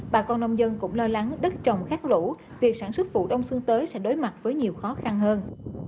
bà con nông dân cũng lo lắng đất trồng khác lũ việc sản xuất vụ đông xuân tới sẽ đối mặt với nhiều khó khăn hơn